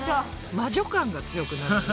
魔女感が強くなるよね